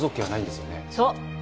そう。